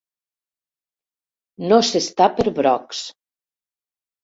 No s'està per brocs.